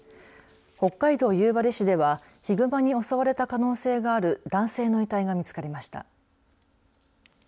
北海道夕張市ではヒグマに襲われた可能性がある男性の遺体が見つかりました。